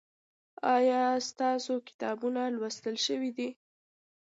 ایا ستاسو کتابونه لوستل شوي دي؟